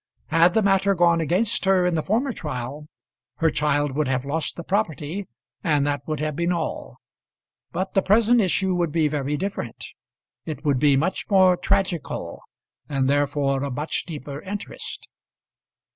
Had the matter gone against her in the former trial, her child would have lost the property, and that would have been all. But the present issue would be very different. It would be much more tragical, and therefore of much deeper interest.